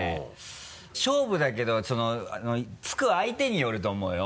勝負だけどその突く相手によると思うよ。